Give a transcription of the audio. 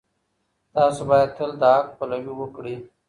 تاسو باید تل د حق پلوي وکړئ.